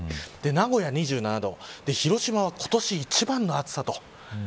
名古屋２７度広島は今年一番の暑さと。